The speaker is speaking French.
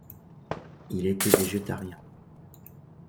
Il était végétarien.